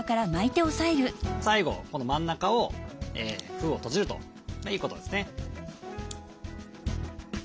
最後この真ん中を封を閉じるということですね。